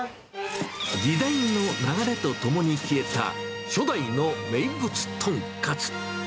時代の流れとともに消えた初代の名物豚カツ。